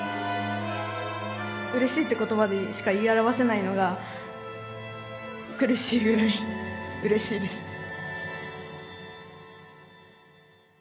「うれしい」って言葉でしか言い表せないのが苦しいぐらいうれしいです。